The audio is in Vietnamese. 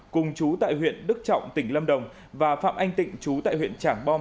cùng chú tại huyện đức trọng tỉnh lâm đồng và phạm anh tịnh chú tại huyện trảng bom